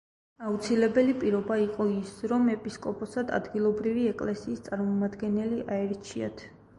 აუცილებელი პირობა იყო ის, რომ ეპისკოპოსად ადგილობრივი ეკლესიის წარმომადგენელი აერჩიათ.